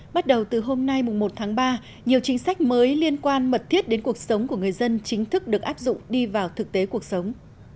bắt đầu từ hôm nay một tháng ba nhiều chính sách mới liên quan mật thiết đến cuộc sống của người dân chính thức được áp dụng đi vào thực tế cuộc sống